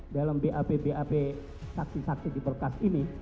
dalam bap bap saksi saksi di berkas ini